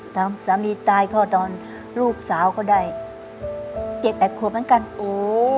ครับตามสามีตายก็ตอนลูกสาวก็ได้เจ็บแอบหัวเหมือนกันโอ้